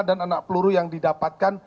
dan anak peluru yang didapatkan